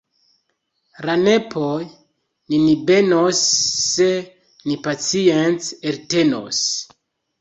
La nepoj nin benos se ni pacience eltenos!